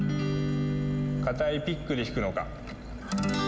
硬いピックで弾くのか。